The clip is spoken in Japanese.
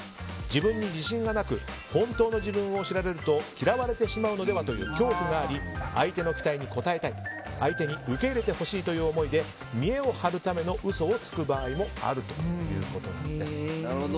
自分に自信がなく本当の自分を知られると嫌われてしまうのではという恐怖があり相手の期待に応えたい相手に受け入れてほしいという思いで見栄を張るための嘘をつく場合もあるということです。